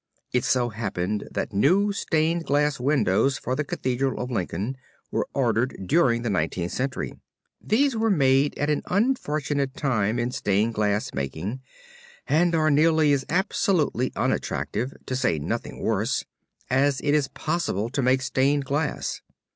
It so happened that new stained glass windows for the Cathedral of Lincoln were ordered during the Nineteenth Century. These were made at an unfortunate time in stained glass making and are as nearly absolutely unattractive, to say nothing worse, as it is possible to make stained glass.